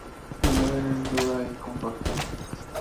La madera es dura y compacta.